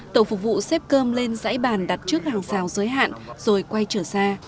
tổ phục vụ xếp cơm lên giãi bàn đặt trước hàng xào giới hạn rồi quay trở ra